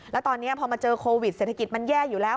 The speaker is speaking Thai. แล้วตอนนี้พอมาเจอโควิดเศรษฐกิจมันแย่อยู่แล้ว